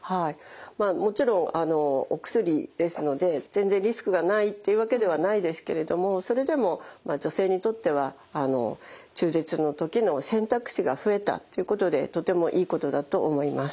もちろんお薬ですので全然リスクがないというわけではないですけれどもそれでも女性にとっては中絶の時の選択肢が増えたということでとてもいいことだと思います。